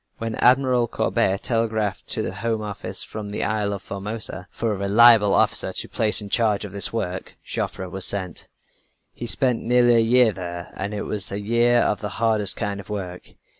When Admiral Courbet telegraphed to the Home Office from the Isle of Formosa for a reliable officer to place in charge of this work, Joffre was sent. He spent nearly a year there and it was a year of the hardest kind of work.